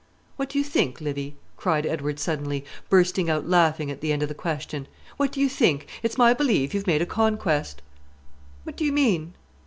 "What do you think, Livy?" cried Edward suddenly, bursting out laughing at the end of the question. "What do you think? It's my belief you've made a conquest." "What do you mean?"